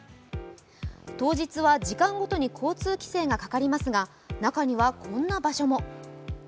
当日は時間ごとに交通規制がかかりますが、中にはこんな場所も。